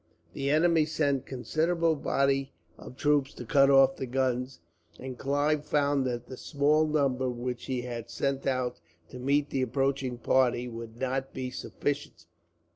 The enemy sent a considerable body of troops to cut off the guns, and Clive found that the small number which he had sent out, to meet the approaching party, would not be sufficient.